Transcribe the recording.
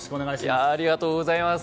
ありがとうございます。